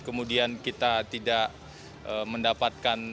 kemudian kita tidak mendapatkan